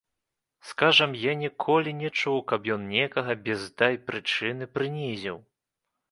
Скажам, я ніколі не чуў, каб ён некага без дай прычыны прынізіў.